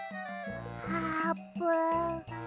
あーぷん。